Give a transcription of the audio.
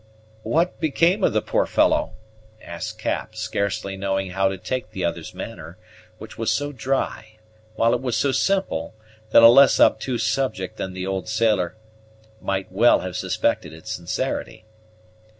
"What became of the poor fellow?" asked Cap, scarcely knowing how to take the other's manner, which was so dry, while it was so simple, that a less obtuse subject than the old sailor might well have suspected its sincerity.